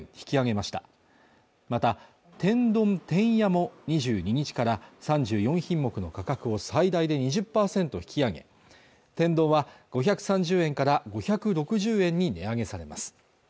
また天丼てんやも２２日から３４品目の価格を最大で２０％引き上げ天丼は５３０円から５６０円に値上げされます